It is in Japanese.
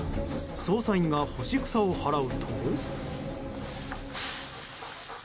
捜査員が干し草を払うと。